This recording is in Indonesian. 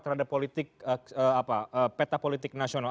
terhadap peta politik nasional